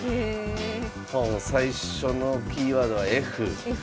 最初のキーワードはＦ。